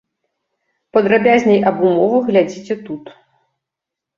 Падрабязней аб умовах глядзіце тут.